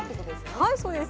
はいそうです。